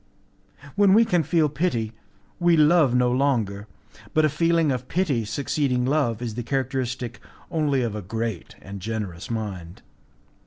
When we can feel pity, we love no longer, but a feeling of pity succeeding love is the characteristic only of a great and generous mind.